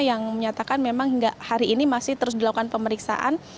yang menyatakan memang hingga hari ini masih terus dilakukan pemeriksaan